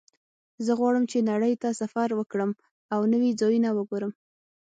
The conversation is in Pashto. زه غواړم چې نړۍ ته سفر وکړم او نوي ځایونه وګورم